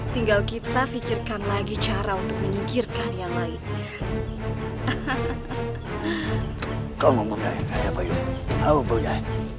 tinggal kita fikirkan lagi cara untuk menyingkirkan yang lainnya